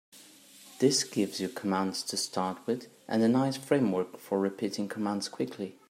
This gives you commands to start with and a nice framework for repeating commands quickly.